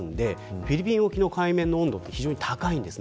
フィリピン沖の海面温度が非常に高いんです。